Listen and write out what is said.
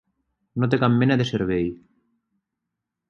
No té cap mena de servei.